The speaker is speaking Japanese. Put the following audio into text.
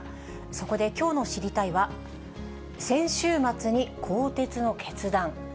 そこできょうの知りたいッ！は、先週末に更迭の決断。